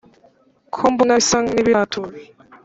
kubona bisa nibiratuje